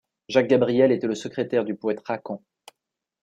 Jacques Gabriel était le secrétaire du poète Racan.